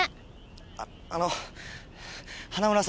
あっあの花村さん。